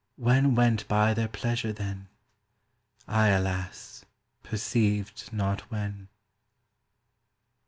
When went by their pleasure, then? I, alas, perceived not when.